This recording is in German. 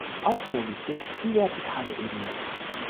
Auch sehr wichtig ist die vertikale Ebene.